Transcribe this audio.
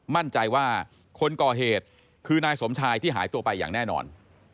มั่นใจว่าคนก่อเหตุคือนายสมชายที่หายตัวไปอย่างแน่นอน